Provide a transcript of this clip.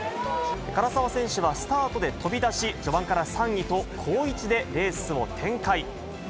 唐澤選手はスタートで飛び出し、序盤から３位と好位置でレースを展開。